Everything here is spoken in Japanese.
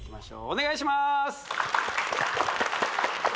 お願いします